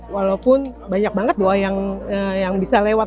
walaupun banyak banget doa yang bisa lewat